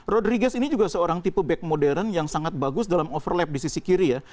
rodriguez ini juga seorang tipe back modern yang sangat bagus dalam overlap di sisi kiri ya